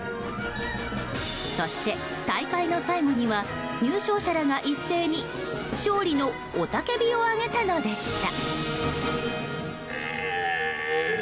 そして、大会の最後には入賞者らが一斉に勝利の雄たけびを上げたのでした。